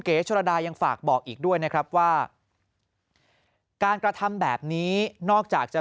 โชรดายังฝากบอกอีกด้วยนะครับว่าการกระทำแบบนี้นอกจากจะ